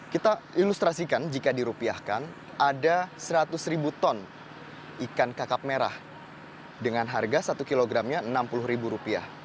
kita ilustrasikan jika dirupiahkan ada seratus ribu ton ikan kakap merah dengan harga satu kilogramnya rp enam puluh